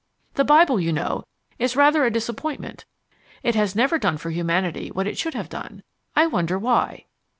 The Bible, you know, is rather a disappointment: it has never done for humanity what it should have done. I wonder why?